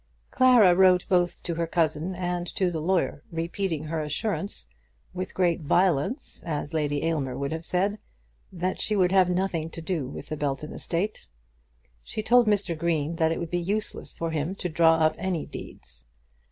Clara wrote both to her cousin and to the lawyer, repeating her assurance, with great violence, as Lady Aylmer would have said, that she would have nothing to do with the Belton estate. She told Mr. Green that it would be useless for him to draw up any deeds.